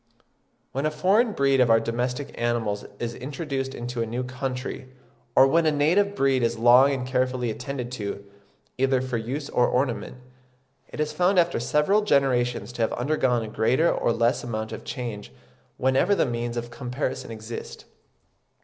When a foreign breed of our domestic animals is introduced into a new country, or when a native breed is long and carefully attended to, either for use or ornament, it is found after several generations to have undergone a greater or less amount of change whenever the means of comparison exist.